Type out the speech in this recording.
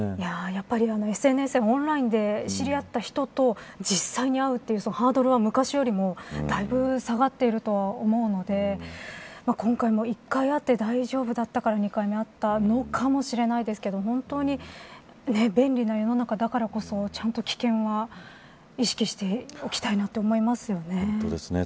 やっぱりＳＮＳやオンラインで知り合った人と実際に会うというハードルは昔よりもだいぶ下がっているとは思うので今回も１回会って大丈夫だったから２回目に会ったのかもしれませんが本当に、便利な世の中だからこそちゃんと危険は意識しておきたいなと思いますよね。